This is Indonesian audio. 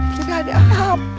kita ada hp